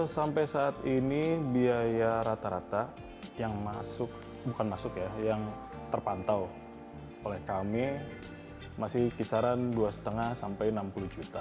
sampai saat ini biaya rata rata yang terpantau oleh kami masih kisaran rp dua lima rp enam puluh